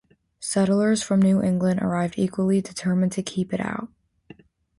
Settlers from New England arrived equally determined to keep it out.